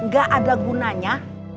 gak ada gunanya